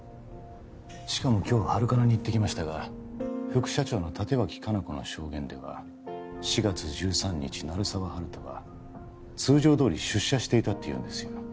しかも今日ハルカナに行ってきましたが副社長の立脇香菜子の証言では４月１３日鳴沢温人は通常どおり出社していたって言うんですよ